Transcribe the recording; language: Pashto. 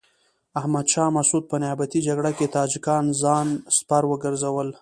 احمد شاه مسعود په نیابتي جګړه کې تاجکان ځان سپر وګرځول.